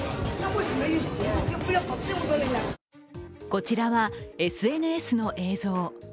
こちらはＳＮＳの映像。